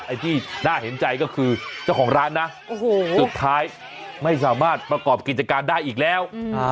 ไอ้ที่น่าเห็นใจก็คือเจ้าของร้านนะสุดท้ายไม่สามารถประกอบกิจการได้อีกแล้ว